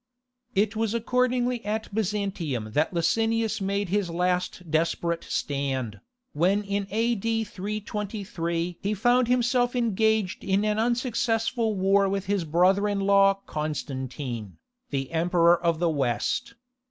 It was accordingly at Byzantium that Licinius made his last desperate stand, when in A.D. 323 he found himself engaged in an unsuccessful war with his brother in law Constantine, the Emperor of the West.